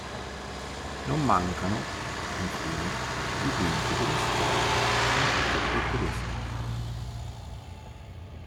Non mancano, infine, dipinti delle scuole francese e tedesca.